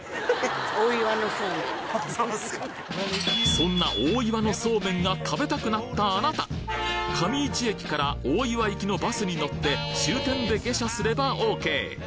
そんな大岩のそうめんが食べたくなったあなた上市駅から大岩行きのバスに乗って終点で下車すればＯＫ